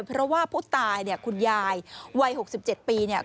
เพราะว่าผู้ตายเนี่ยคุณยายวัย๖๗ปีเนี่ย